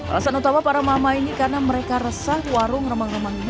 alasan utama para mama ini karena mereka resah warung remang remang ini